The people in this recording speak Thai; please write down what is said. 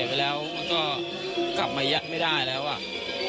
เป็นมาของดีละพ่อทุกคน